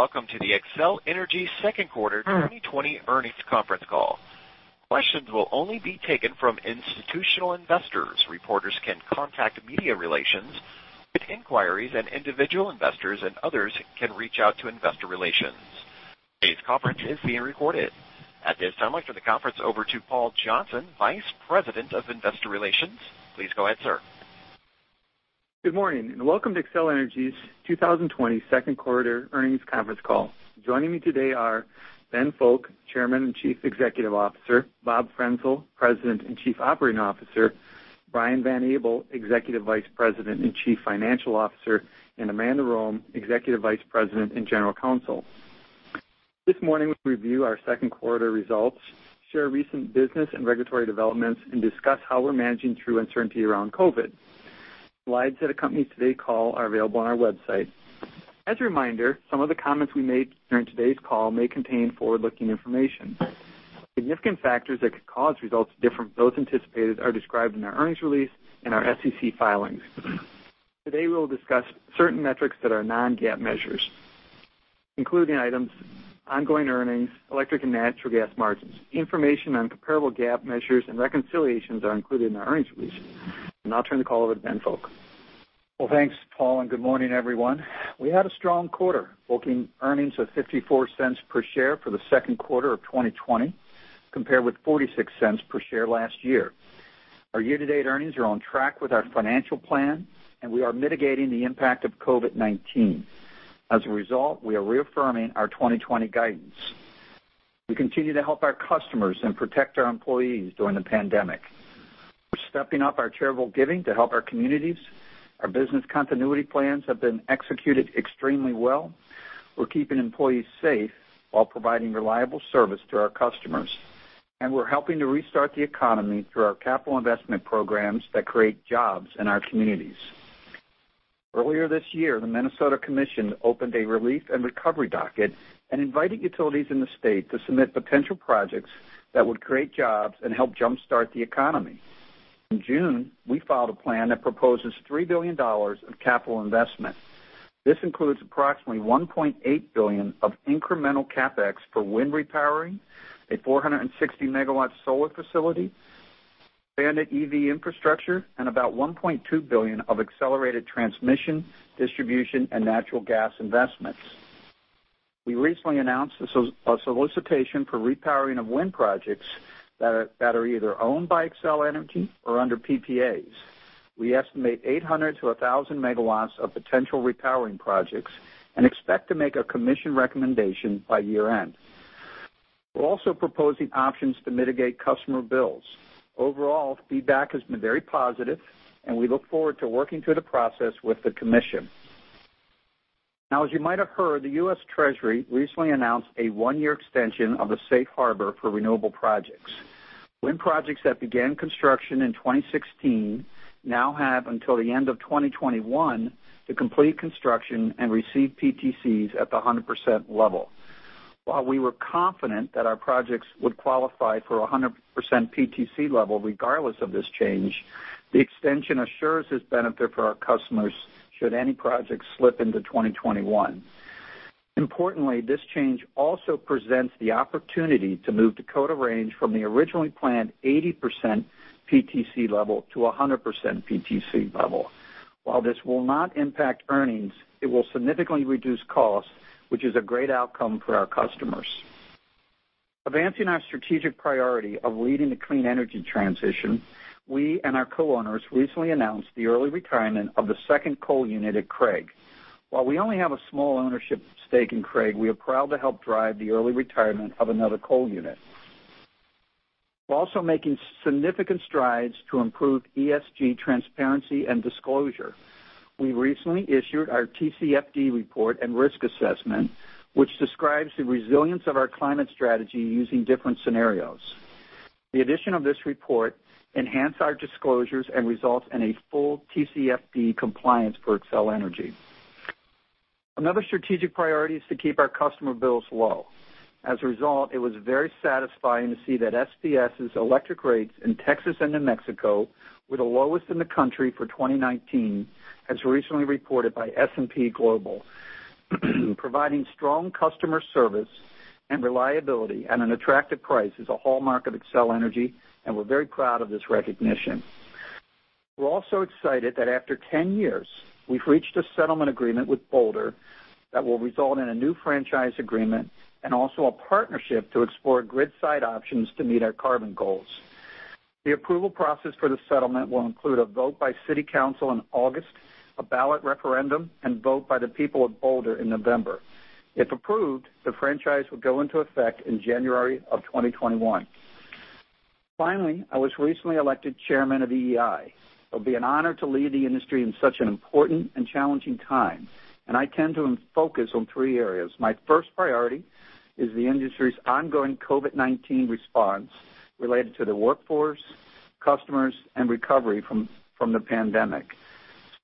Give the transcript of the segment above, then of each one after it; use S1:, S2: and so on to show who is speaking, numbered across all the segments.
S1: Good day, and welcome to the Xcel Energy Second Quarter 2020 Earnings Conference Call. Questions will only be taken from institutional investors. Reporters can contact media relations with inquiries, and individual investors and others can reach out to investor relations. Today's conference is being recorded. At this time, I'll turn the conference over to Paul Johnson, Vice President of Investor Relations. Please go ahead, sir.
S2: Good morning, and welcome to Xcel Energy's 2020 Second Quarter Earnings Conference Call. Joining me today are Ben Fowke, Chairman and Chief Executive Officer, Bob Frenzel, President and Chief Operating Officer, Brian Van Abel, Executive Vice President and Chief Financial Officer, and Amanda Rome, Executive Vice President and General Counsel. This morning, we'll review our second quarter results, share recent business and regulatory developments, and discuss how we're managing through uncertainty around COVID. Slides that accompany today's call are available on our website. As a reminder, some of the comments we make during today's call may contain forward-looking information. Significant factors that could cause results different from those anticipated are described in our earnings release and our SEC filings. Today, we'll discuss certain metrics that are non-GAAP measures, including items, ongoing earnings, electric and natural gas margins. Information on comparable GAAP measures and reconciliations are included in our earnings release. I'll turn the call over to Ben Fowke.
S3: Well, thanks, Paul, and good morning, everyone. We had a strong quarter, booking earnings of $0.54 per share for the second quarter of 2020, compared with $0.46 per share last year. Our year-to-date earnings are on track with our financial plan, and we are mitigating the impact of COVID-19. As a result, we are reaffirming our 2020 guidance. We continue to help our customers and protect our employees during the pandemic. We're stepping up our charitable giving to help our communities. Our business continuity plans have been executed extremely well. We're keeping employees safe while providing reliable service to our customers, and we're helping to restart the economy through our capital investment programs that create jobs in our communities. Earlier this year, the Minnesota Commission opened a relief and recovery docket and invited utilities in the state to submit potential projects that would create jobs and help jumpstart the economy. In June, we filed a plan that proposes $3 billion of capital investment. This includes approximately $1.8 billion of incremental CapEx for wind repowering, a 460 MW solar facility, expanded EV infrastructure, and about $1.2 billion of accelerated transmission, distribution, and natural gas investments. We recently announced a solicitation for repowering of wind projects that are either owned by Xcel Energy or under PPAs. We estimate 800 MW-1,000 MW of potential repowering projects and expect to make a commission recommendation by year-end. We're also proposing options to mitigate customer bills. Overall, feedback has been very positive, and we look forward to working through the process with the commission. Now, as you might have heard, the U.S. Treasury recently announced a one-year extension of the safe harbor for renewable projects. Wind projects that began construction in 2016 now have until the end of 2021 to complete construction and receive PTCs at the 100% level. While we were confident that our projects would qualify for 100% PTC level regardless of this change, the extension assures this benefit for our customers should any projects slip into 2021. Importantly, this change also presents the opportunity to move Dakota Range from the originally planned 80% PTC level to 100% PTC level. While this will not impact earnings, it will significantly reduce costs, which is a great outcome for our customers. Advancing our strategic priority of leading the clean energy transition, we and our co-owners recently announced the early retirement of the second coal unit at Craig. While we only have a small ownership stake in Craig, we are proud to help drive the early retirement of another coal unit. We're also making significant strides to improve ESG transparency and disclosure. We recently issued our TCFD report and risk assessment, which describes the resilience of our climate strategy using different scenarios. The addition of this report enhance our disclosures and results in a full TCFD compliance for Xcel Energy. Another strategic priority is to keep our customer bills low. As a result, it was very satisfying to see that SPS's electric rates in Texas and New Mexico were the lowest in the country for 2019, as recently reported by S&P Global. Providing strong customer service and reliability at an attractive price is a hallmark of Xcel Energy, and we're very proud of this recognition. We're also excited that after 10 years, we've reached a settlement agreement with Boulder that will result in a new franchise agreement and also a partnership to explore grid-side options to meet our carbon goals. The approval process for the settlement will include a vote by city council in August, a ballot referendum, and vote by the people of Boulder in November. If approved, the franchise will go into effect in January of 2021. I was recently elected Chairman of EEI. It'll be an honor to lead the industry in such an important and challenging time. I tend to focus on three areas. My first priority is the industry's ongoing COVID-19 response related to the workforce, customers, and recovery from the pandemic.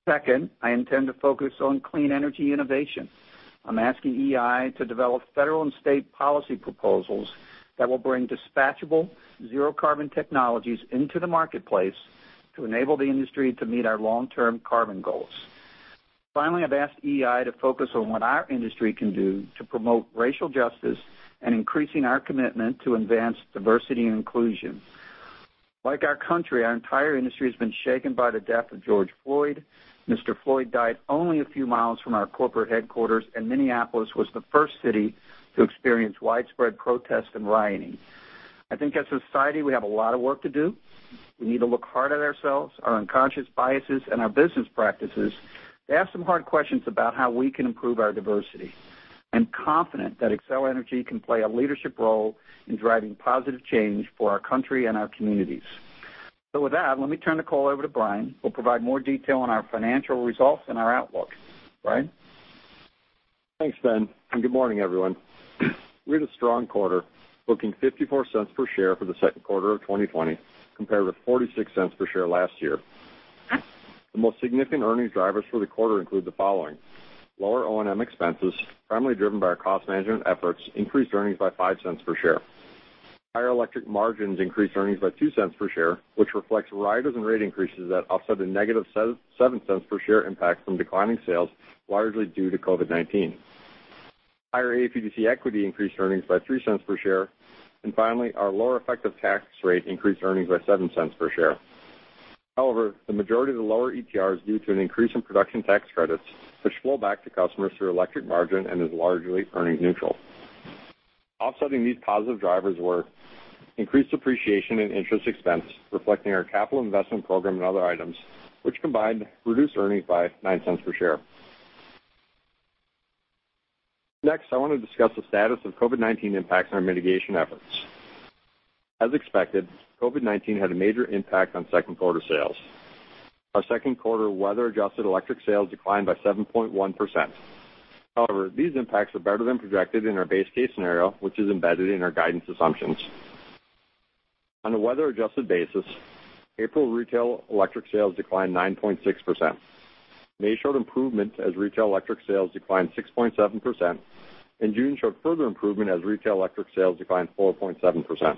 S3: Second, I intend to focus on clean energy innovation. I'm asking EEI to develop federal and state policy proposals that will bring dispatchable zero-carbon technologies into the marketplace to enable the industry to meet our long-term carbon goals. Finally, I've asked EEI to focus on what our industry can do to promote racial justice and increasing our commitment to advance diversity and inclusion. Like our country, our entire industry has been shaken by the death of George Floyd. Mr. Floyd died only a few miles from our corporate headquarters, and Minneapolis was the first city to experience widespread protests and rioting. I think as a society, we have a lot of work to do. We need to look hard at ourselves, our unconscious biases, and our business practices to ask some hard questions about how we can improve our diversity. I'm confident that Xcel Energy can play a leadership role in driving positive change for our country and our communities. With that, let me turn the call over to Brian, who will provide more detail on our financial results and our outlook. Brian?
S4: Thanks, Ben, and good morning, everyone. We had a strong quarter, booking $0.54 per share for the second quarter of 2020, compared with $0.46 per share last year. The most significant earnings drivers for the quarter include the following. Lower O&M expenses, primarily driven by our cost management efforts, increased earnings by $0.05 per share. Higher electric margins increased earnings by $0.02 per share, which reflects riders and rate increases that offset the negative $0.07 per share impact from declining sales, largely due to COVID-19. Higher AFUDC equity increased earnings by $0.03 per share. Finally, our lower effective tax rate increased earnings by $0.07 per share. However, the majority of the lower ETR is due to an increase in production tax credits, which flow back to customers through electric margin and is largely earnings neutral. Offsetting these positive drivers were increased depreciation and interest expense, reflecting our capital investment program and other items, which combined reduced earnings by $0.09 per share. I want to discuss the status of COVID-19 impacts and our mitigation efforts. As expected, COVID-19 had a major impact on second quarter sales. Our second quarter weather-adjusted electric sales declined by 7.1%. These impacts are better than projected in our base case scenario, which is embedded in our guidance assumptions. On a weather-adjusted basis, April retail electric sales declined 9.6%. May showed improvement as retail electric sales declined 6.7%, and June showed further improvement as retail electric sales declined 4.7%.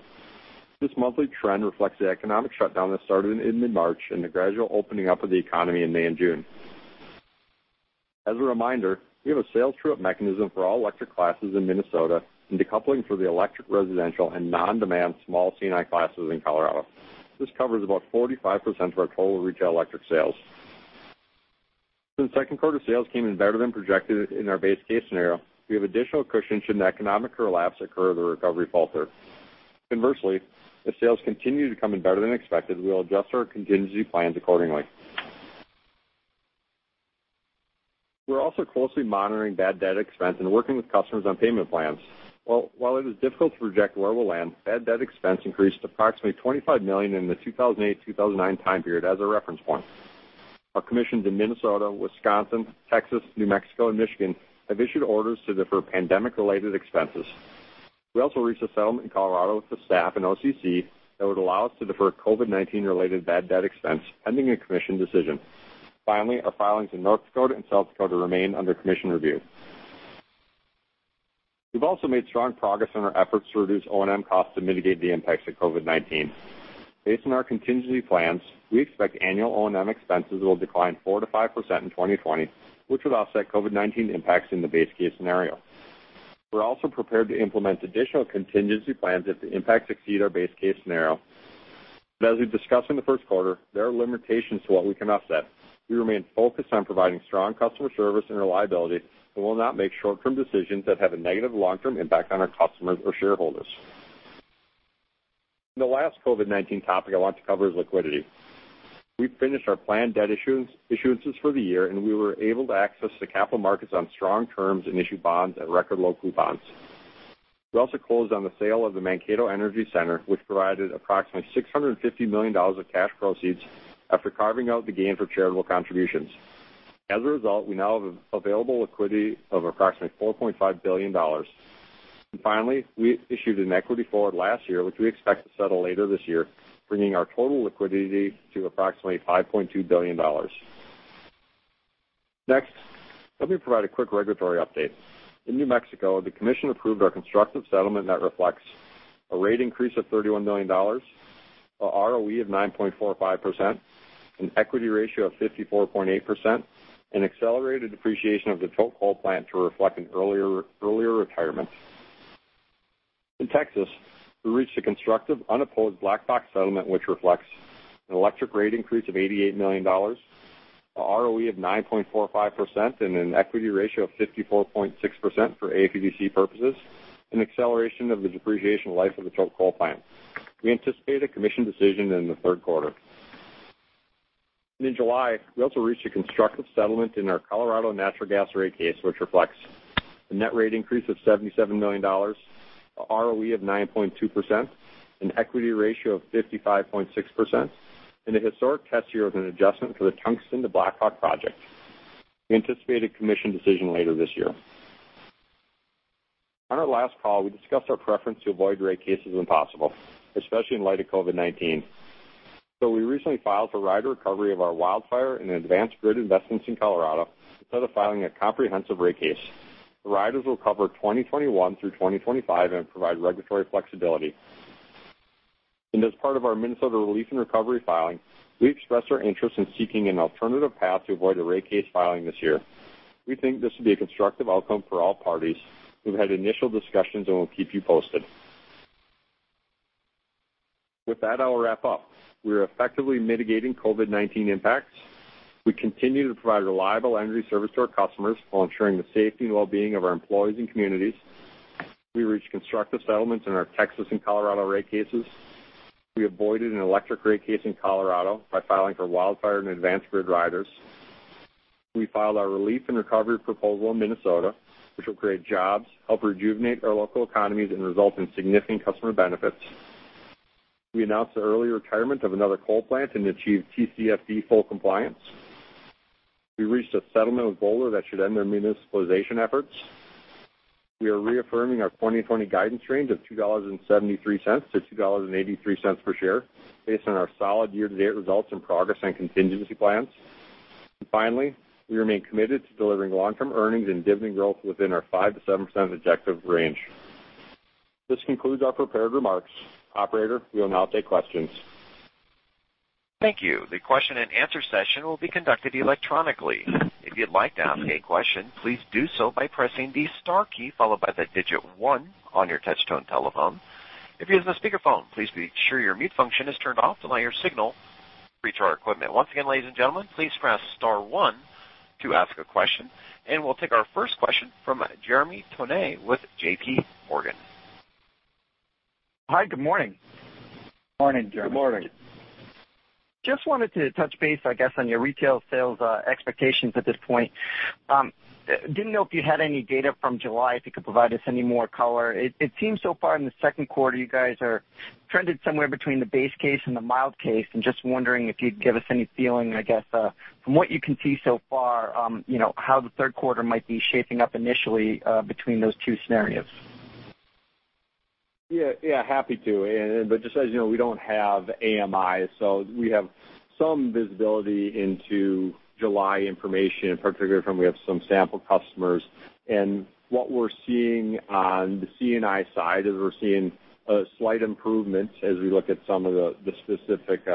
S4: This monthly trend reflects the economic shutdown that started in mid-March and the gradual opening up of the economy in May and June. As a reminder, we have a sales true-up mechanism for all electric classes in Minnesota and decoupling for the electric, residential, and non-demand small C&I classes in Colorado. This covers about 45% of our total retail electric sales. Since second quarter sales came in better than projected in our base case scenario, we have additional cushion should an economic relapse occur or the recovery falter. Conversely, if sales continue to come in better than expected, we will adjust our contingency plans accordingly. We're also closely monitoring bad debt expense and working with customers on payment plans. While it is difficult to project where we'll land, bad debt expense increased approximately $25 million in the 2008-2009 time period as a reference point. Our commissions in Minnesota, Wisconsin, Texas, New Mexico, and Michigan have issued orders to defer pandemic-related expenses. We also reached a settlement in Colorado with the staff and OCC that would allow us to defer COVID-19-related bad debt expense pending a commission decision. Our filings in North Dakota and South Dakota remain under commission review. We've also made strong progress on our efforts to reduce O&M costs to mitigate the impacts of COVID-19. Based on our contingency plans, we expect annual O&M expenses will decline 4%-5% in 2020, which would offset COVID-19 impacts in the base case scenario. We're also prepared to implement additional contingency plans if the impacts exceed our base case scenario. As we've discussed in the first quarter, there are limitations to what we can offset. We remain focused on providing strong customer service and reliability, will not make short-term decisions that have a negative long-term impact on our customers or shareholders. The last COVID-19 topic I want to cover is liquidity. We finished our planned debt issuances for the year, we were able to access the capital markets on strong terms and issue bonds at record low coupons. We also closed on the sale of the Mankato Energy Center, which provided approximately $650 million of cash proceeds after carving out the gain for charitable contributions. As a result, we now have available liquidity of approximately $4.5 billion. Finally, we issued an equity forward last year, which we expect to settle later this year, bringing our total liquidity to approximately $5.2 billion. Next, let me provide a quick regulatory update. In New Mexico, the commission approved our constructive settlement that reflects a rate increase of $31 million, a ROE of 9.45%, an equity ratio of 54.8%, and accelerated depreciation of the coal plant to reflect an earlier retirement. In Texas, we reached a constructive, unopposed black box settlement, which reflects an electric rate increase of $88 million, a ROE of 9.45%, and an equity ratio of 54.6% forAFUDC purposes, and acceleration of the depreciation life of the Tolk coal plant. We anticipate a commission decision in the third quarter. In July, we also reached a constructive settlement in our Colorado natural gas rate case, which reflects a net rate increase of $77 million, a ROE of 9.2%, an equity ratio of 55.6%, and a historic test year with an adjustment for the Tungsten to Black Hawk project. We anticipate a commission decision later this year. On our last call, we discussed our preference to avoid rate cases when possible, especially in light of COVID-19. We recently filed for rider recovery of our wildfire and advanced grid investments in Colorado instead of filing a comprehensive rate case. The riders will cover 2021 through 2025 and provide regulatory flexibility. As part of our Minnesota relief and recovery filing, we expressed our interest in seeking an alternative path to avoid a rate case filing this year. We think this will be a constructive outcome for all parties. We've had initial discussions, and we'll keep you posted. With that, I'll wrap up. We are effectively mitigating COVID-19 impacts. We continue to provide reliable energy service to our customers while ensuring the safety and wellbeing of our employees and communities. We reached constructive settlements in our Texas and Colorado rate cases. We avoided an electric rate case in Colorado by filing for wildfire and advanced grid riders. We filed our relief and recovery proposal in Minnesota, which will create jobs, help rejuvenate our local economies, and result in significant customer benefits. We announced the early retirement of another coal plant and achieved TCFD full compliance. We reached a settlement with Boulder that should end their municipalization efforts. We are reaffirming our 2020 guidance range of $2.73-$2.83 per share based on our solid year-to-date results and progress on contingency plans. Finally, we remain committed to delivering long-term earnings and dividend growth within our 5%-7% objective range. This concludes our prepared remarks. Operator, we will now take questions.
S1: Thank you. The question-and-answer session will be conducted electronically. If you'd like to ask a question, please do so by pressing the star key followed by the digit one on your touch-tone telephone. If you're using a speakerphone, please be sure your mute function is turned off to allow your signal to reach our equipment. Once again, ladies and gentlemen, please press star one to ask a question, and we'll take our first question from Jeremy Tonet with JPMorgan.
S5: Hi, good morning.
S4: Morning, Jeremy.
S6: Good morning.
S5: Just wanted to touch base, I guess, on your retail sales expectations at this point. Didn't know if you had any data from July, if you could provide us any more color. It seems so far in the second quarter, you guys are trended somewhere between the base case and the mild case, and just wondering if you'd give us any feeling, I guess, from what you can see so far, how the third quarter might be shaping up initially between those two scenarios?
S4: Yeah. Happy to. Just as you know, we don't have AMI, so we have some visibility into July information, in particular from we have some sample customers. What we're seeing on the C&I side is we're seeing a slight improvement as we look at some of the specific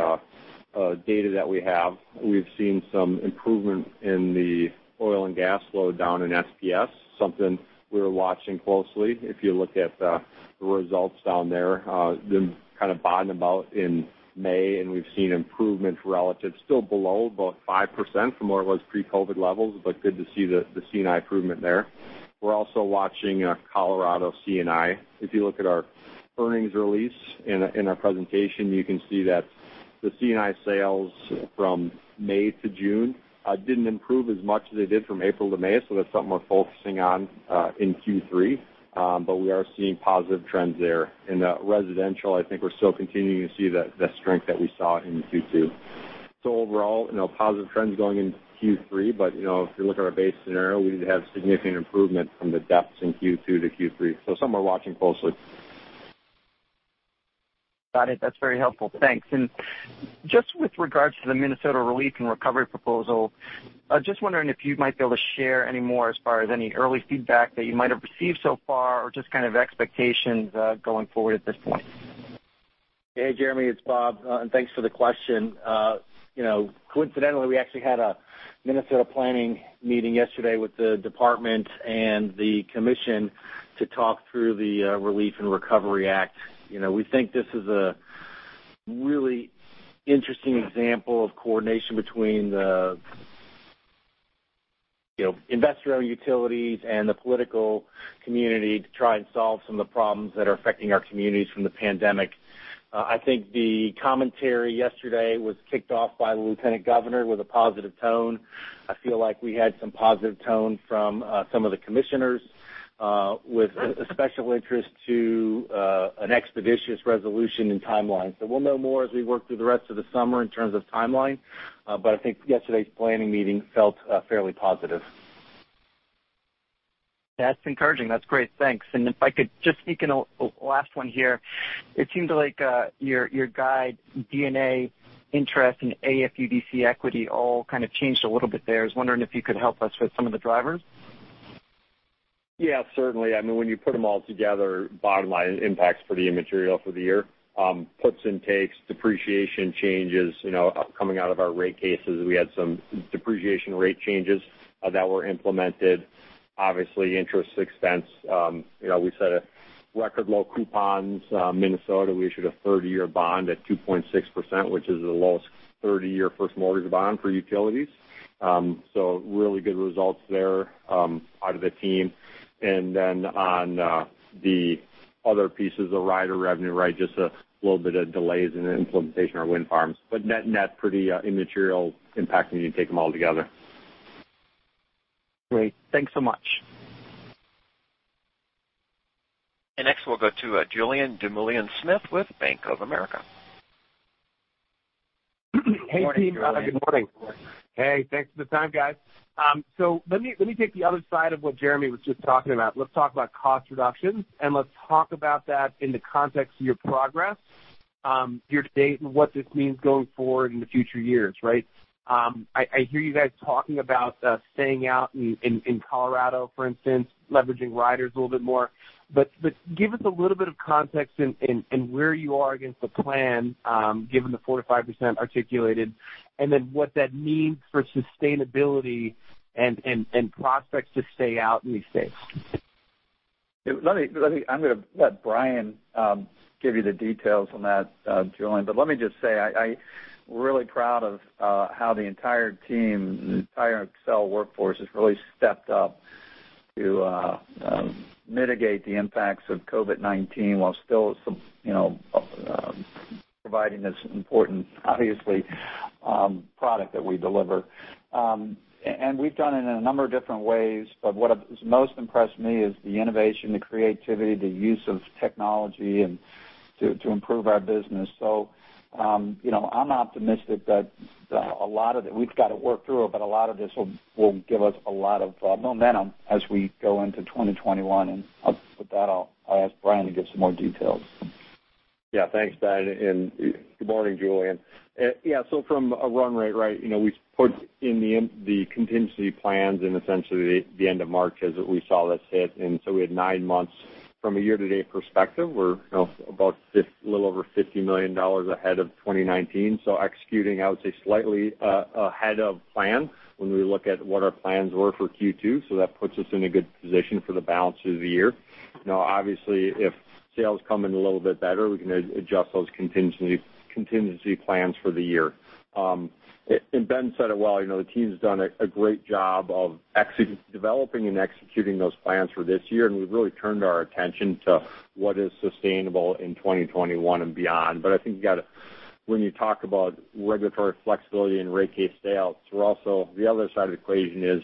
S4: data that we have. We've seen some improvement in the oil and gas load down in SPS, something we're watching closely. If you look at the results down there, they kind of bottomed about in May, and we've seen improvement relative. Still below about 5% from where it was pre-COVID-19 levels, but good to see the C&I improvement there. We're also watching Colorado C&I. If you look at our earnings release in our presentation, you can see that the C&I sales from May to June didn't improve as much as they did from April to May. That's something we're focusing on in Q3. We are seeing positive trends there. In residential, I think we're still continuing to see the strength that we saw in Q2. Overall, positive trends going into Q3, but if you look at our base scenario, we need to have significant improvement from the depths in Q2 to Q3. Something we're watching closely.
S5: Got it. That's very helpful. Thanks. Just with regards to the Minnesota relief and recovery proposal, just wondering if you might be able to share any more as far as any early feedback that you might have received so far or just kind of expectations going forward at this point?
S6: Hey, Jeremy, it's Bob, and thanks for the question. Coincidentally, we actually had a Minnesota planning meeting yesterday with the department and the commission to talk through the Relief and Recovery Act. We think this is a really interesting example of coordination between the investor-owned utilities and the political community to try and solve some of the problems that are affecting our communities from the pandemic. I think the commentary yesterday was kicked off by the lieutenant governor with a positive tone. I feel like we had some positive tone from some of the commissioners with a special interest to an expeditious resolution and timeline. We'll know more as we work through the rest of the summer in terms of timeline. I think yesterday's planning meeting felt fairly positive.
S5: That's encouraging. That's great. Thanks. If I could just sneak in a last one here. It seemed like your guide, D&A interest, and AFUDC equity all kind of changed a little bit there. I was wondering if you could help us with some of the drivers.
S4: Certainly. When you put them all together, bottom line, impacts pretty immaterial for the year. Puts and takes, depreciation changes. Coming out of our rate cases, we had some depreciation rate changes that were implemented. Interest expense. We set record low coupons. Minnesota, we issued a 30-year bond at 2.6%, which is the lowest 30-year first mortgage bond for utilities. Really good results there out of the team. On the other pieces of rider revenue, just a little bit of delays in the implementation of our wind farms. Net-net, pretty immaterial impact when you take them all together.
S5: Great. Thanks so much.
S1: Next, we'll go to Julien Dumoulin-Smith with Bank of America.
S4: Morning, Julien.
S7: Hey, team. Good morning.
S3: Good morning.
S7: Hey, thanks for the time, guys. Let me take the other side of what Jeremy was just talking about. Let's talk about cost reductions, and let's talk about that in the context of your progress. Year-to-date and what this means going forward in the future years. I hear you guys talking about staying out in Colorado, for instance, leveraging riders a little bit more. Give us a little bit of context in where you are against the plan, given the 4%-5% articulated, and then what that means for sustainability and prospects to stay out in these states?
S3: I'm going to let Brian give you the details on that, Julien. Let me just say, I'm really proud of how the entire team, the entire Xcel workforce, has really stepped up to mitigate the impacts of COVID-19 while still providing this important, obviously, product that we deliver. We've done it in a number of different ways, but what has most impressed me is the innovation, the creativity, the use of technology, and to improve our business. I'm optimistic that a lot of it, we've got to work through it, but a lot of this will give us a lot of momentum as we go into 2021. With that, I'll ask Brian to give some more details.
S4: Yeah. Thanks, Ben, and good morning, Julien. From a run rate, we put in the contingency plans in essentially the end of March as we saw this hit, and so we had nine months. From a year-to-date perspective, we're about a little over $50 million ahead of 2019, executing, I would say, slightly ahead of plan when we look at what our plans were for Q2. That puts us in a good position for the balance of the year. Obviously, if sales come in a little bit better, we can adjust those contingency plans for the year. Ben said it well, the team's done a great job of developing and executing those plans for this year, and we've really turned our attention to what is sustainable in 2021 and beyond. I think when you talk about regulatory flexibility and rate case stay outs, the other side of the equation is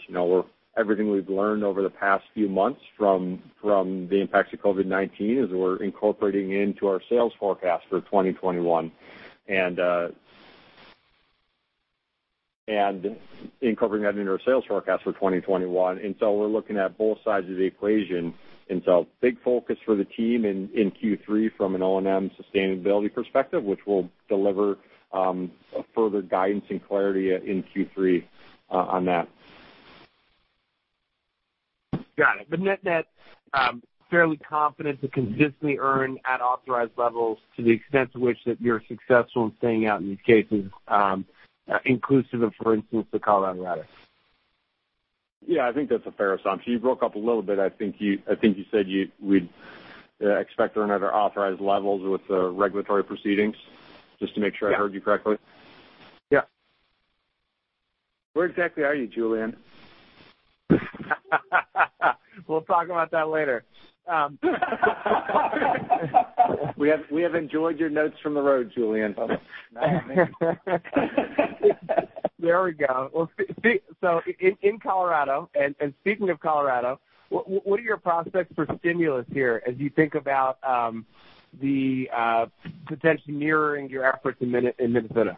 S4: everything we've learned over the past few months from the impacts of COVID-19, as we're incorporating into our sales forecast for 2021. Incorporating that into our sales forecast for 2021. We're looking at both sides of the equation. A big focus for the team in Q3 from an O&M sustainability perspective, which we'll deliver further guidance and clarity in Q3 on that.
S7: Got it. Net net, fairly confident to consistently earn at authorized levels to the extent to which that you're successful in staying out in these cases, inclusive of, for instance, the Colorado riders.
S4: I think that's a fair assumption. You broke up a little bit. I think you said you would expect to earn at our authorized levels with the regulatory proceedings? Just to make sure I heard you correctly.
S7: Yeah.
S6: Where exactly are you, Julien?
S7: We'll talk about that later.
S3: We have enjoyed your notes from the road, Julien.
S7: There we go. In Colorado, and speaking of Colorado, what are your prospects for stimulus here as you think about the potentially mirroring your efforts in Minnesota?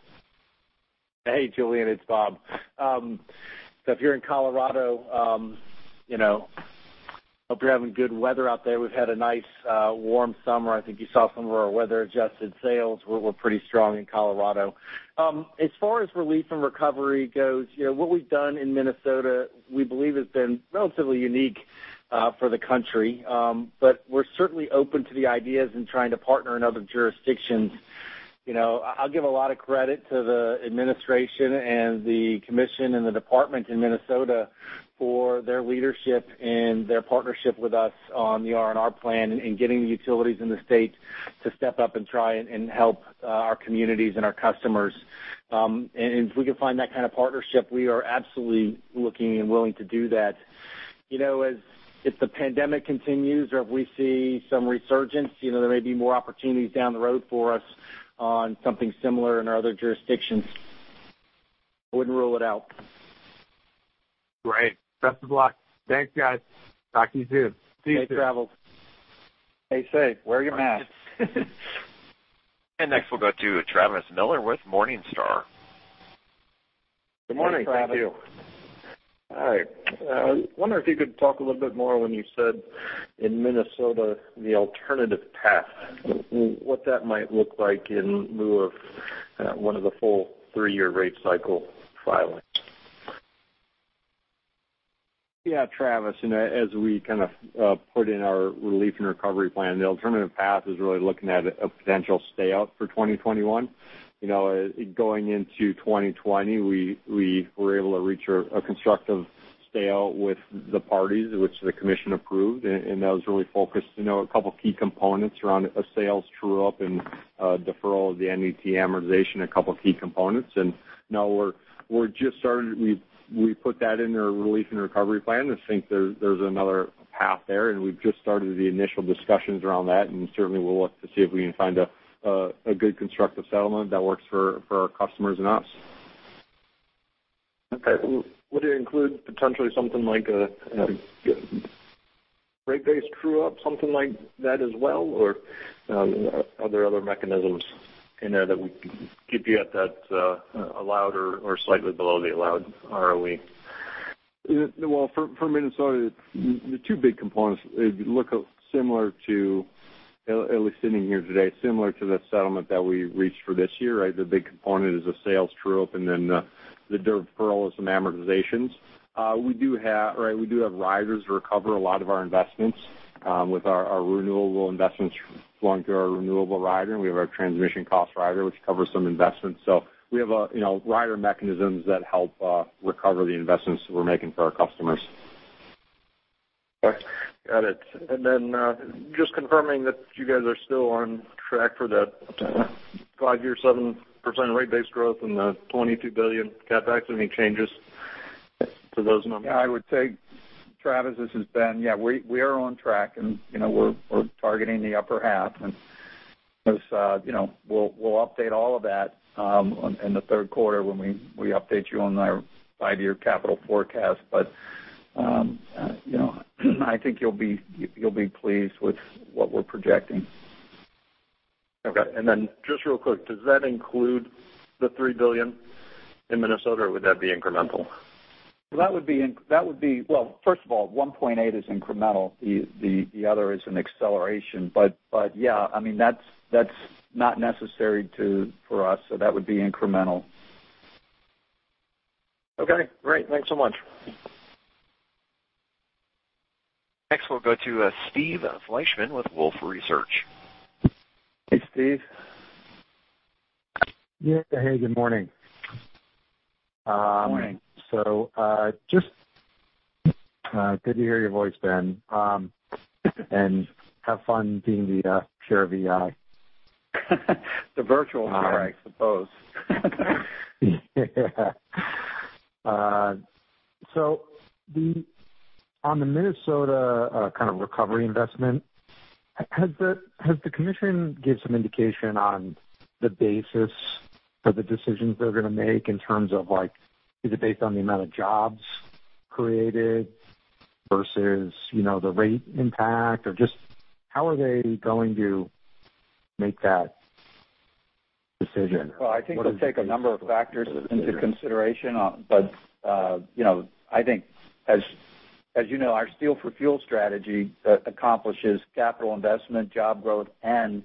S6: Hey, Julien, it's Bob. If you're in Colorado, hope you're having good weather out there. We've had a nice, warm summer. I think you saw some of our weather-adjusted sales were pretty strong in Colorado. As far as relief and recovery goes, what we've done in Minnesota, we believe has been relatively unique for the country. We're certainly open to the ideas and trying to partner in other jurisdictions. I'll give a lot of credit to the administration and the commission and the department in Minnesota for their leadership and their partnership with us on the R&R plan and getting the utilities in the state to step up and try and help our communities and our customers. If we can find that kind of partnership, we are absolutely looking and willing to do that. If the pandemic continues or if we see some resurgence, there may be more opportunities down the road for us on something similar in our other jurisdictions. I wouldn't rule it out.
S7: Great. Best of luck. Thanks, guys. Talk to you soon.
S6: Safe travels. Stay safe. Wear your mask.
S1: Next, we'll go to Travis Miller with Morningstar.
S6: Good morning, Travis.
S8: Hi. I wonder if you could talk a little bit more when you said in Minnesota, the alternative path, what that might look like in lieu of one of the full three-year rate cycle filings?
S4: Yeah, Travis, as we kind of put in our relief and recovery plan, the alternative path is really looking at a potential stay out for 2021. Going into 2020, we were able to reach a constructive stay out with the parties, which the commission approved. That was really focused around a sales true-up and a deferral of the net amortization, a couple of key components. Now we're just starting. We put that in our relief and recovery plan. I think there's another path there, and we've just started the initial discussions around that, and certainly, we'll look to see if we can find a good constructive settlement that works for our customers and us.
S8: Okay. Would it include potentially something like a rate-based true-up, something like that as well? Are there other mechanisms in there that would keep you at that allowed or slightly below the allowed ROE?
S4: Well, for Minnesota, the two big components look similar to, at least sitting here today, similar to the settlement that we reached for this year. The big component is the sales true-up and then the deferral of some amortizations. We do have riders to recover a lot of our investments with our renewable investments going through our renewable rider. We have our transmission cost rider, which covers some investments. We have rider mechanisms that help recover the investments that we're making for our customers.
S8: Got it. Just confirming that you guys are still on track for that five-year, 7% rate base growth and the $22 billion CapEx. Any changes to those numbers?
S3: Yeah, I would say, Travis, this is Ben. Yeah, we are on track, and we're targeting the upper half. We'll update all of that in the third quarter when we update you on our five-year capital forecast. I think you'll be pleased with what we're projecting.
S8: Okay. Then just real quick, does that include the $3 billion in Minnesota, or would that be incremental?
S3: Well, first of all, 1.8 is incremental. The other is an acceleration. Yeah, that's not necessary for us. That would be incremental.
S8: Okay, great. Thanks so much.
S1: Next, we'll go to Steve Fleishman with Wolfe Research.
S3: Hey, Steve.
S9: Hey, good morning.
S4: Morning.
S9: Just good to hear your voice, Ben, and have fun being the chair of EEI.
S3: The virtual chair, I suppose.
S9: Yeah. On the Minnesota kind of recovery investment, has the commission gave some indication on the basis for the decisions they're going to make in terms of, like, is it based on the amount of jobs created versus the rate impact? Just how are they going to make that decision?
S3: I think they'll take a number of factors into consideration. I think, as you know, our steel-for-fuel strategy accomplishes capital investment, job growth, and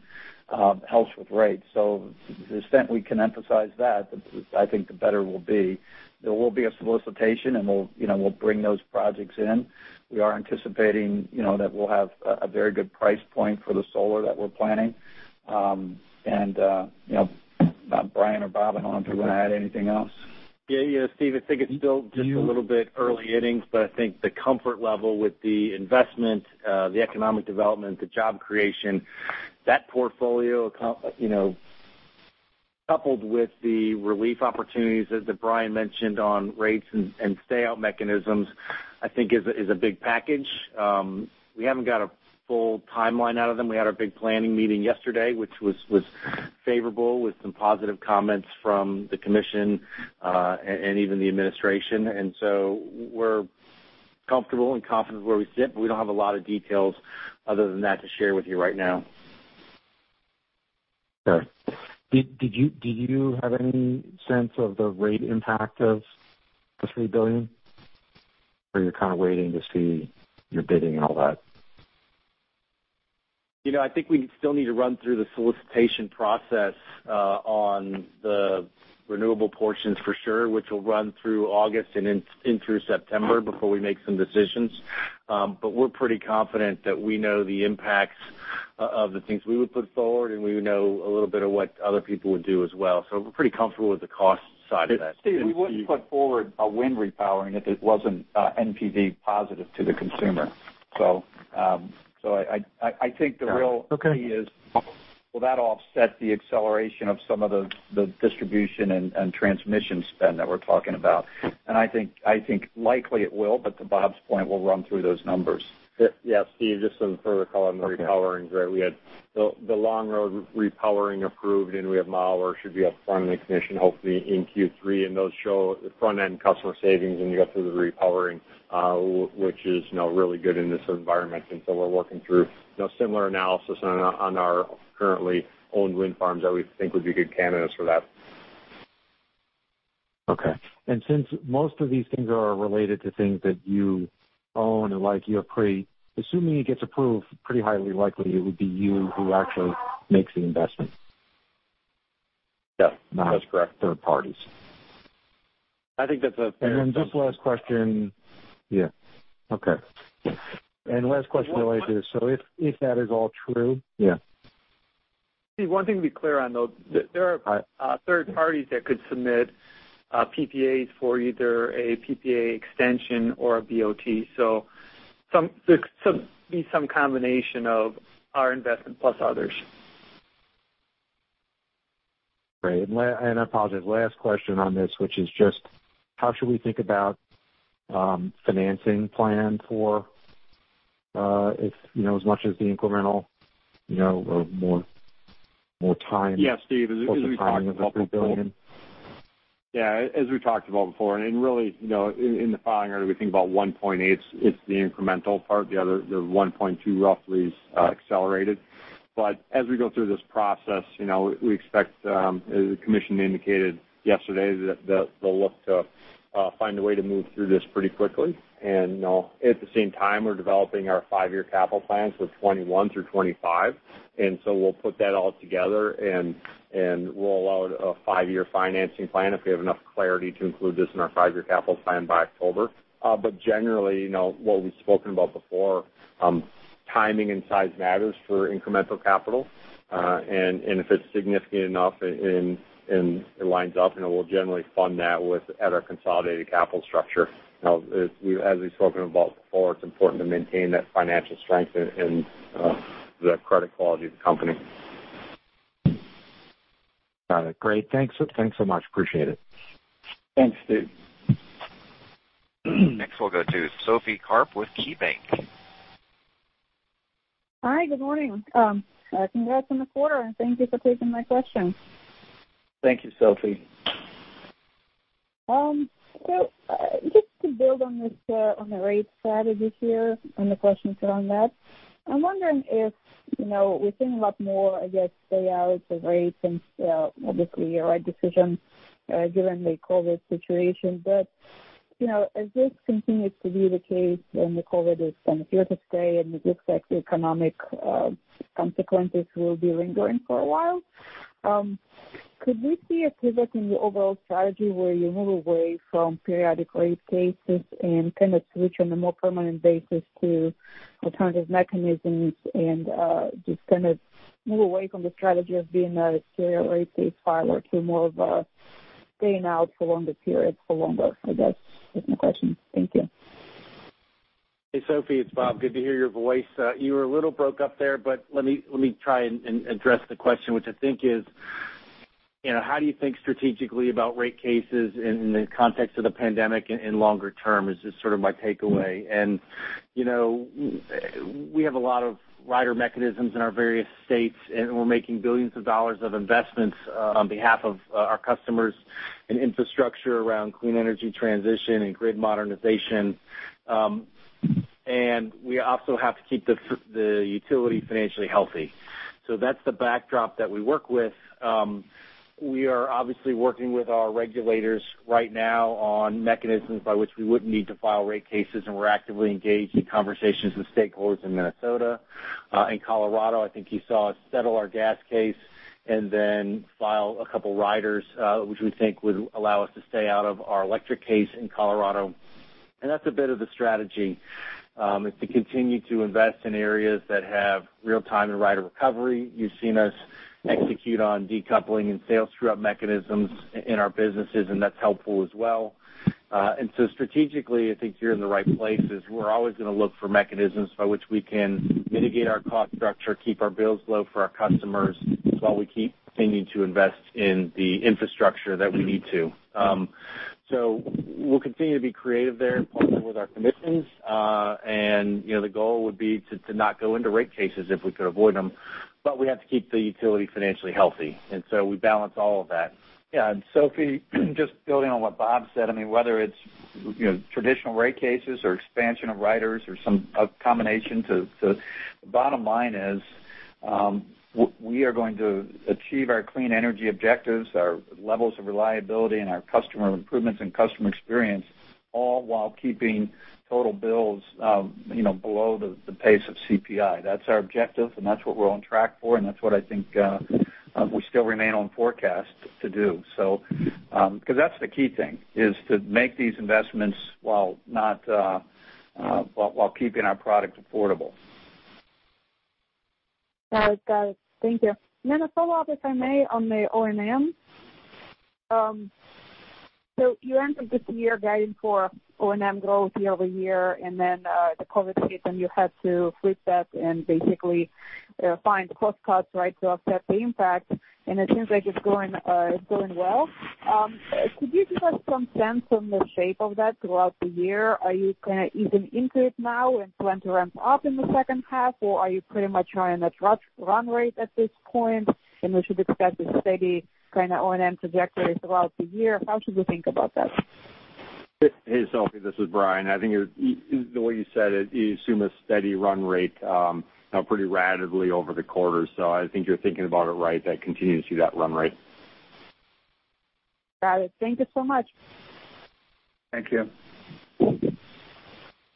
S3: helps with rates. The extent we can emphasize that, I think the better we'll be. There will be a solicitation, and we'll bring those projects in. We are anticipating that we'll have a very good price point for the solar that we're planning. Brian or Bob, I don't know if you want to add anything else.
S6: Yeah, Steve, I think it's still just a little bit early innings, but I think the comfort level with the investment, the economic development, the job creation, that portfolio, coupled with the relief opportunities that Brian mentioned on rates and stay-out mechanisms, I think is a big package. We haven't got a full timeline out of them. We had our big planning meeting yesterday, which was favorable with some positive comments from the commission and even the administration. We're comfortable and confident where we sit, but we don't have a lot of details other than that to share with you right now.
S9: Sure. Do you have any sense of the rate impact of the $3 billion? You're kind of waiting to see your bidding and all that?
S6: I think we still need to run through the solicitation process on the renewable portions for sure, which will run through August and in through September before we make some decisions. We're pretty confident that we know the impacts of the things we would put forward, and we would know a little bit of what other people would do as well. We're pretty comfortable with the cost side of that.
S3: Steve, we wouldn't put forward a wind repowering if it wasn't NPV positive to the consumer. I think the real key is will that offset the acceleration of some of the distribution and transmission spend that we're talking about? I think likely it will, but to Bob's point, we'll run through those numbers.
S4: Yeah, Steve, just some further color on the repowering. We had the Blazing Star repowering approved. We have Mower should be up front of the commission hopefully in Q3. Those show the front-end customer savings when you go through the repowering, which is really good in this environment. We're working through similar analysis on our currently owned wind farms that we think would be good candidates for that.
S9: Okay. Since most of these things are related to things that you own, assuming it gets approved, pretty highly likely it would be you who actually makes the investment.
S4: Yeah, that is correct.
S9: Not third parties. Just last question. Yeah. Okay. Last question related. If that is all true. Yeah.
S6: Steve, one thing to be clear on, though, there are third parties that could submit PPAs for either a PPA extension or a BOT. Some combination of our investment plus others.
S9: Great. I apologize, last question on this, which is just how should we think about financing plan for as much as the incremental or more time.
S4: Yeah, Steve, as we talked about before.
S9: For the timing of the $3 billion.
S4: Yeah, as we talked about before, really in the filing, we think about $1.8, it's the incremental part. The other $1.2 roughly is accelerated. As we go through this process, we expect, as the commission indicated yesterday, that they'll look to find a way to move through this pretty quickly. At the same time, we're developing our five-year capital plans for 2021 through 2025. We'll put that all together and roll out a five-year financing plan if we have enough clarity to include this in our five-year capital plan by October. Generally, what we've spoken about before, timing and size matters for incremental capital. If it's significant enough and it lines up, we'll generally fund that at our consolidated capital structure. As we've spoken about before, it's important to maintain that financial strength and the credit quality of the company.
S9: Got it. Great. Thanks so much. Appreciate it.
S3: Thanks, Steve.
S1: Next we'll go to Sophie Karp with KeyBanc.
S10: Hi, good morning. Congrats on the quarter, and thank you for taking my question.
S6: Thank you, Sophie.
S10: Just to build on the rate strategy here and the questions around that, I'm wondering if, within a lot more, I guess, stay out of the rates and obviously the right decision given the COVID-19 situation. As this continues to be the case and the COVID-19 is kind of here to stay, and it looks like the economic consequences will be lingering for a while, could we see a pivot in the overall strategy where you move away from periodic rate cases and kind of switch on a more permanent basis to alternative mechanisms and just kind of move away from the strategy of being a rate-based filer to more of a staying out for longer periods? I guess is my question. Thank you.
S6: Hey, Sophie, it's Bob. Good to hear your voice. You were a little broke up there, but let me try and address the question, which I think is, how do you think strategically about rate cases in the context of the pandemic and longer term, is just sort of my takeaway. We have a lot of rider mechanisms in our various states, and we're making billions of dollars of investments on behalf of our customers in infrastructure around clean energy transition and grid modernization. We also have to keep the utility financially healthy. That's the backdrop that we work with. We are obviously working with our regulators right now on mechanisms by which we wouldn't need to file rate cases, and we're actively engaged in conversations with stakeholders in Minnesota. In Colorado, I think you saw us settle our gas case and then file a couple riders, which we think would allow us to stay out of our electric case in Colorado. That's a bit of the strategy, is to continue to invest in areas that have real-time and rider recovery. You've seen us execute on decoupling and sales true-up mechanisms in our businesses, and that's helpful as well. Strategically, I think you're in the right places. We're always going to look for mechanisms by which we can mitigate our cost structure, keep our bills low for our customers, while we keep continuing to invest in the infrastructure that we need to. We'll continue to be creative there and partner with our commissions. The goal would be to not go into rate cases if we could avoid them. We have to keep the utility financially healthy. We balance all of that.
S3: Yeah. Sophie, just building on what Bob said, whether it's traditional rate cases or expansion of riders or some combination. The bottom line is, we are going to achieve our clean energy objectives, our levels of reliability, and our customer improvements and customer experience, all while keeping total bills below the pace of CPI. That's our objective, and that's what we're on track for, and that's what I think we still remain on forecast to do. That's the key thing, is to make these investments while keeping our product affordable.
S10: Got it. Thank you. A follow-up, if I may, on the O&M. You entered this year guiding for O&M growth year-over-year, and then the COVID hit, and you had to flip that and basically find cost cuts, right, to offset the impact. It seems like it's going well. Could you give us some sense on the shape of that throughout the year? Are you kind of even into it now and plan to ramp up in the second half? Are you pretty much on a run rate at this point, and we should expect a steady kind of O&M trajectory throughout the year? How should we think about that?
S4: Hey, Sophie, this is Brian. I think the way you said it, you assume a steady run rate pretty rapidly over the quarter. I think you're thinking about it right, that continuing to see that run rate.
S10: Got it. Thank you so much.
S4: Thank you.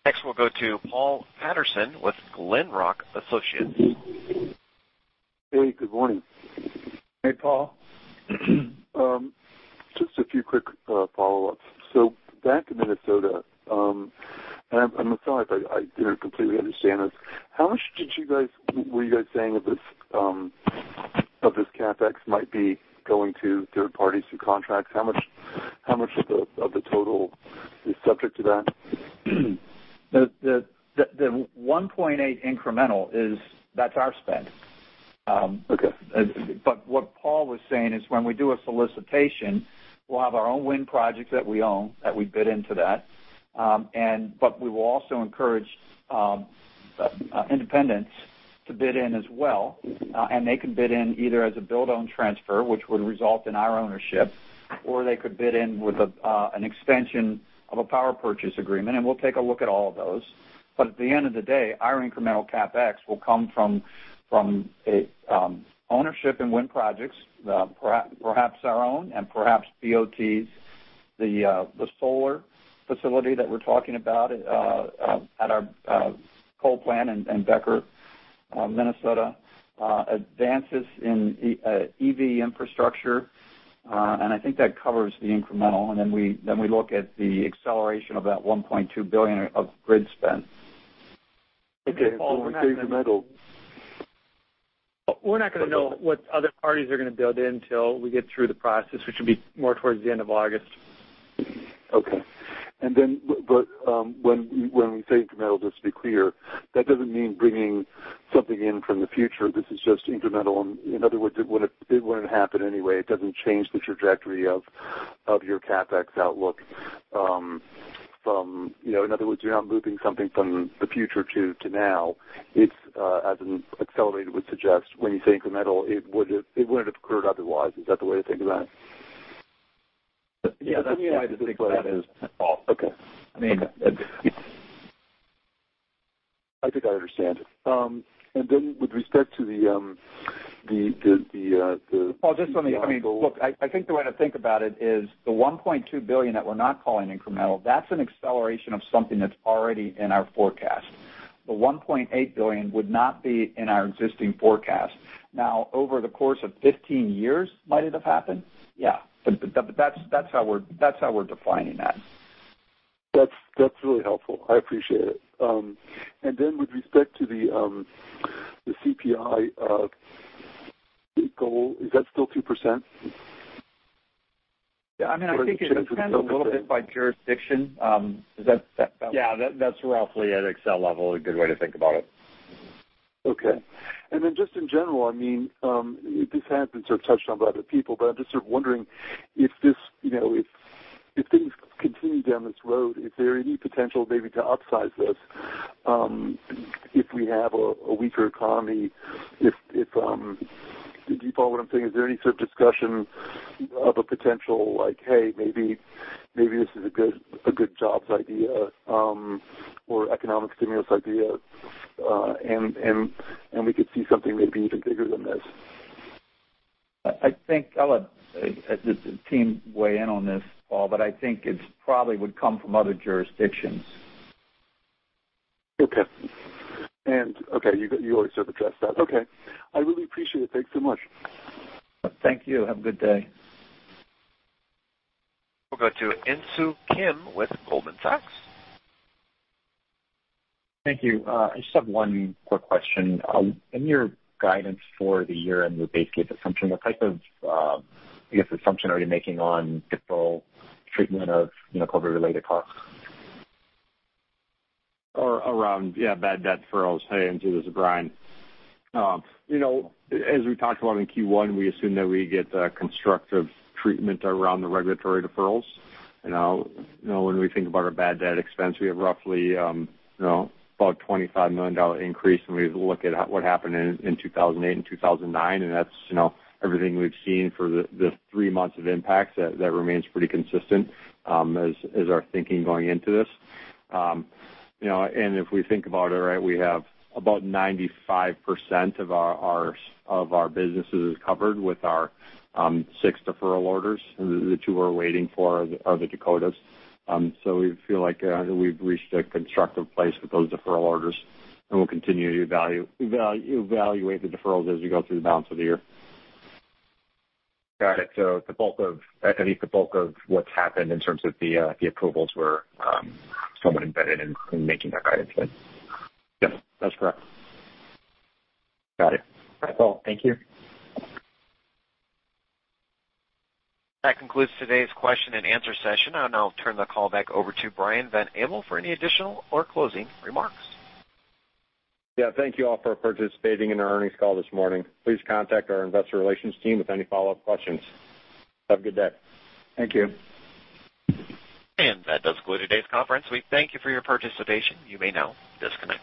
S1: Next, we'll go to Paul Patterson with Glenrock Associates.
S11: Hey, good morning.
S6: Hey, Paul.
S11: Just a few quick follow-ups. Back to Minnesota, and I'm sorry if I didn't completely understand this, how much were you guys saying of this CapEx might be going to third parties through contracts? How much of the total is subject to that?
S6: The $1.8 incremental is, that's our spend.
S11: Okay.
S6: What Paul was saying is when we do a solicitation, we'll have our own wind projects that we own, that we bid into that, but we will also encourage independents to bid in as well. They can bid in either as a build-own transfer, which would result in our ownership, or they could bid in with an extension of a power purchase agreement, and we'll take a look at all of those. At the end of the day, our incremental CapEx will come from ownership in wind projects, perhaps our own and perhaps BOTs, the solar facility that we're talking about at our coal plant in Becker, Minnesota, advances in EV infrastructure, and I think that covers the incremental. Then we look at the acceleration of that $1.2 billion of grid spend.
S11: Okay.
S3: We're not going to know what other parties are going to build in till we get through the process, which will be more towards the end of August.
S11: Okay. When we say incremental, just to be clear, that doesn't mean bringing something in from the future. This is just incremental. In other words, it wouldn't happen anyway. It doesn't change the trajectory of your CapEx outlook. In other words, you're not moving something from the future to now. It's, as in accelerated would suggest, when you say incremental, it wouldn't have occurred otherwise. Is that the way to think about it?
S3: Yeah, that's the way I think about it, Paul.
S11: Okay. I think I understand.
S3: Paul, Look, I think the way to think about it is the $1.2 billion that we're not calling incremental, that's an acceleration of something that's already in our forecast. The $1.8 billion would not be in our existing forecast. Now, over the course of 15 years, might it have happened? Yeah. That's how we're defining that.
S11: That's really helpful. I appreciate it. With respect to the CPI goal, is that still 2%?
S3: I think it depends a little bit by jurisdiction.
S4: Yeah, that's roughly at Xcel level, a good way to think about it.
S11: Okay. Just in general, this has been sort of touched on by other people, but I'm just sort of wondering if things continue down this road, is there any potential maybe to upsize this if we have a weaker economy? Do you follow what I'm saying? Is there any sort of discussion of a potential like, "Hey, maybe this is a good jobs idea or economic stimulus idea, and we could see something maybe even bigger than this?
S3: I'll let the team weigh in on this, Paul, but I think it probably would come from other jurisdictions.
S11: Okay, you already sort of addressed that. Okay. I really appreciate it. Thanks so much.
S3: Thank you. Have a good day.
S1: We'll go to Insoo Kim with Goldman Sachs.
S12: Thank you. I just have one quick question. In your guidance for the year and your base case assumption, what type of, I guess, assumption are you making on default treatment of COVID-related costs?
S4: Around bad debt deferrals. Hey, Insoo, this is Brian. As we talked about in Q1, we assume that we get constructive treatment around the regulatory deferrals. When we think about our bad debt expense, we have roughly about $25 million increase when we look at what happened in 2008 and 2009. That's everything we've seen for the three months of impact. That remains pretty consistent as our thinking going into this. If we think about it, we have about 95% of our businesses covered with our six deferral orders, and the two we're waiting for are the Dakotas. We feel like we've reached a constructive place with those deferral orders, and we'll continue to evaluate the deferrals as we go through the balance of the year.
S12: At least the bulk of what's happened in terms of the approvals were somewhat embedded in making that guidance then.
S4: Yes, that's correct.
S12: Got it. All right, Brian. Thank you.
S1: That concludes today's question and answer session. I'll now turn the call back over to Brian Van Abel for any additional or closing remarks.
S4: Yeah. Thank you all for participating in our earnings call this morning. Please contact our investor relations team with any follow-up questions. Have a good day.
S3: Thank you.
S1: That does conclude today's conference. We thank you for your participation. You may now disconnect.